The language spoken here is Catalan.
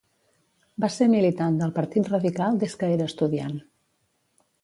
Va ser militant del Partit Radical des que era estudiant.